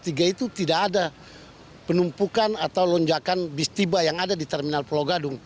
tiga itu tidak ada penumpukan atau lonjakan bis tiba yang ada di terminal pulau gadung